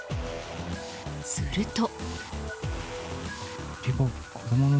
すると。